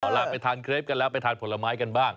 เอาล่ะไปทานเครปกันแล้วไปทานผลไม้กันบ้าง